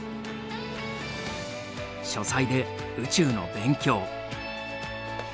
書斎で宇宙の勉強。